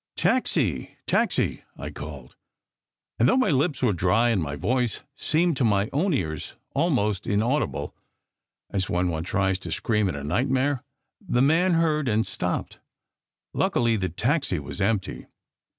"Taxi, taxi!" I called. And though my lips were dry and my voice seemed to my own ears almost inaudible, as when one tries to scream in a nightmare, the man heard and stopped. Luckily the taxi was empty.